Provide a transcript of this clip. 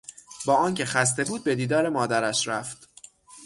با آنکه خسته بود به دیدار مادرش رفت.